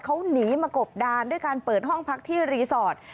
เขาหนีมากบดานด้วยการเปิดห้องพักที่รีสอร์ท